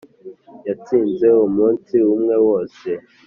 Yansize umunsi umwe wose